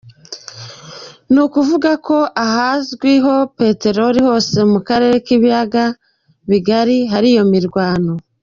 Ni ukuvuga ko ahazwi petroli hose mu karere k’ ibiyaga bigari hari iyo mirwano.